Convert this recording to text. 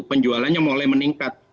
penjualannya mulai meningkat